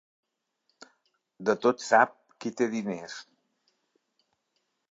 De tot sap qui té diners.